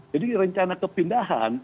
jadi rencana kepindahan